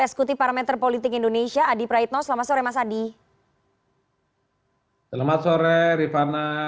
eksekutif parameter politik indonesia adi praitno selamat sore mas adi selamat sore rifana